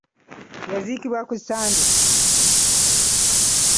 Yaziikibwa ku Sande.